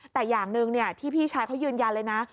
แต่อย่างหนึ่งที่พี่ชายเขายืนยันเลยนะ